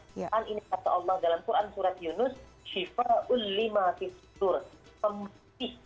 pemutih obat yang bagi kita adalah petunjuk yang ada di dalam hati